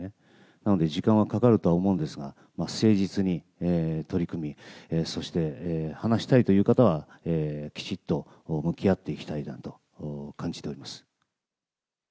なので、時間はかかるとは思うんですが、誠実に取り組み、そして、話したいという方は、きちっと向き合っていきたいなと感じております。